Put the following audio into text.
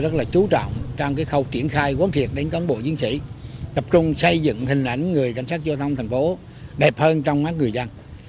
trong khâu triển khai quán triệt đến cán bộ chiến sĩ tập trung xây dựng hình ảnh người cảnh sát giao thông thành phố đẹp hơn trong mắt người dân